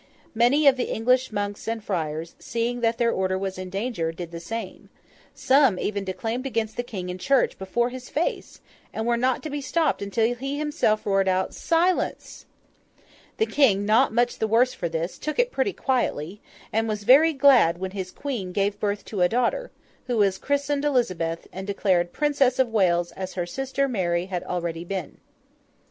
Many of the English monks and friars, seeing that their order was in danger, did the same; some even declaimed against the King in church before his face, and were not to be stopped until he himself roared out 'Silence!' The King, not much the worse for this, took it pretty quietly; and was very glad when his Queen gave birth to a daughter, who was christened Elizabeth, and declared Princess of Wales as her sister Mary had already been.